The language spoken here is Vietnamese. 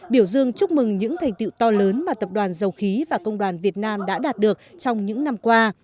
biểu dương chúc mừng những thành tiệu to lớn mà tập đoàn dầu khí và công đoàn việt nam đã đạt được trong những năm qua